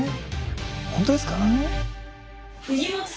本当ですか？